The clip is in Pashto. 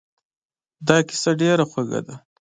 دا کیسه ډېره خوږه ده.